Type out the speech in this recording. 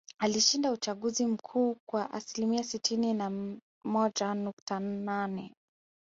Alishinda uchaguzi mkuu kwa asilimia sitini na moja nukta nane